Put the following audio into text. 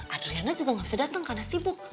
adriana juga nggak bisa datang karena sibuk